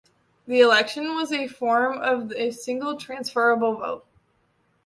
The election was by a form of the single transferable vote.